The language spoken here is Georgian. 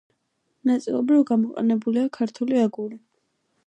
ნაწილობრივ გამოყენებულია ქართული აგური.